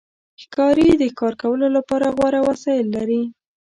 ښکاري د ښکار کولو لپاره غوره وسایل لري.